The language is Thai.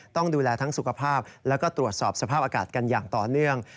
ต้องดูแลทั้งสุขภาพแล้วก็ตรวจสอบสภาพอากาศกันอย่างต่อเนื่อง